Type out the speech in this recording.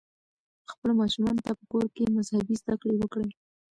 خپلو ماشومانو ته په کور کې مذهبي زده کړې ورکړئ.